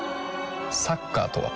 サッカーとは？